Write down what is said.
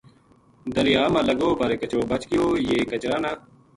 دریا ما لگو با کچرو بچ گیو یہ کچرا نا